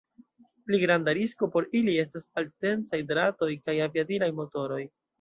Pli granda risko por ili estas alttensiaj dratoj kaj aviadilaj motoroj.